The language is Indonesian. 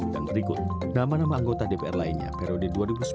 dan berikut nama nama anggota dpr lainnya periode dua ribu sembilan dua ribu empat belas